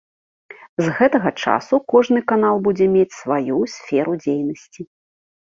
З гэтага часу кожны канал будзе мець сваю сферу дзейнасці.